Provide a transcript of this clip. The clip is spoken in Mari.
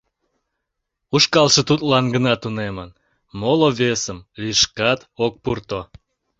Ушкалже тудлан гына тунемын, моло-весым лишкат ок пурто.